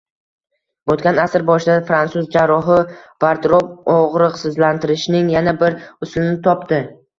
O‘tgan asr boshida frantsuz jarrohi Vardrop og‘riqsizlantirishning yana bir usulni topdi